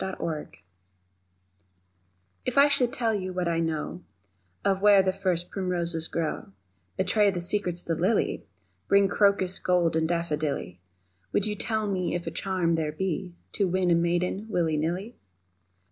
The Secret IF I should tell you what I know Of where the first primroses grow, Betray the secrets of the lily, Bring crocus gold and daffodilly, Would you tell me if charm there be To win a maiden, willy nilly?